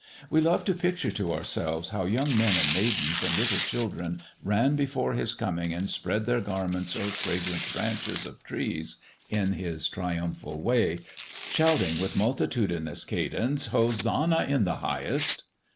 We love to picture to ourselves how young men and maidens and little children ran before His coming and spread their garments or fragrant branches of trees in His triumphal way, shouting with multitudinous cadence, "Hosannah in the highest!"